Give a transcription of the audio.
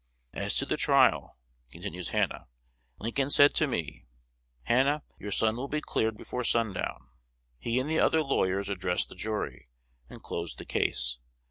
"As to the trial," continues Hannah, "Lincoln said to me, 'Hannah, your son will be cleared before sundown.' He and the other lawyers addressed the jury, and closed the case.